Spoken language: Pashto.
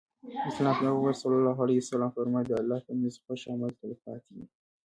د اسلام پيغمبر ص وفرمايل د الله په نزد خوښ عمل تلپاتې وي.